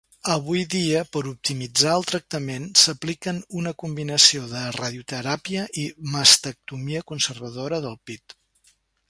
Avui dia, per optimitzar el tractament s'apliquen una combinació de radioteràpia i mastectomia conservadora del pit.